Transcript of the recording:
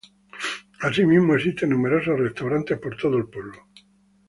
Asimismo, existen numerosos restaurantes por todo el pueblo.